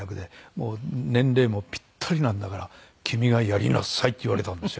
「もう年齢もピッタリなんだから君がやりなさい」って言われたんですよ。